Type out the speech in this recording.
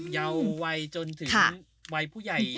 ยาววัยจนถึงวัยผู้ใหญ่